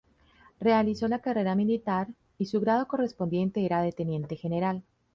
Realizó la carrera militar, y su grado correspondiente era de Teniente General.